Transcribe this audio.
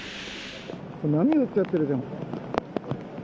波打っちゃってるじゃん。